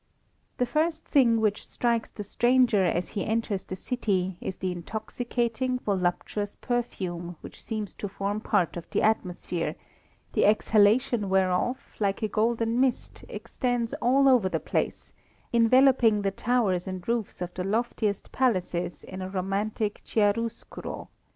The first thing which strikes the stranger as he enters the city is the intoxicating, voluptuous perfume which seems to form part of the atmosphere, the exhalation whereof, like a golden mist, extends all over the place, enveloping the towers and roofs of the loftiest palaces in a romantic chiarooscuro.